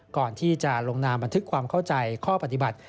ก่อนที่จะลงนามบันทึกความเข้าใจข้อปฏิบัติ